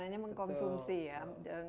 hanya mengkonsumsi ya